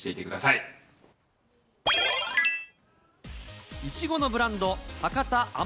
いちごのブランド、博多あ